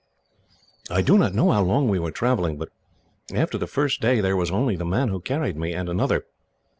"I do not know how long we were travelling, but after the first day there was only the man who carried me, and another.